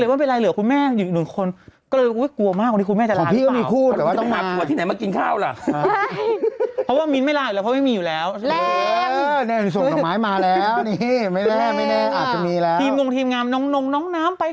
เหลือเป็นไรเหลือคุณแม่อยู่หลุมคนก็เลยว่ากลัวมากคุณแม่อาจจะลาหรือเปล่า